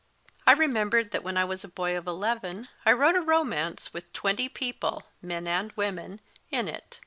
I remembered that when I was a boy of eleven I wrote a romance with twenty people, men and women, in it.